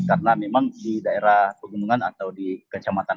karena memang di daerah pegunungan atau di kecamatan